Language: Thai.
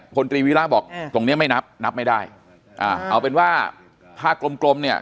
คนตรีวิละบอกตรงนี้ไปนับนับไม่ได้เอาเป็นว่าประธาบาลโกรมเนี่ย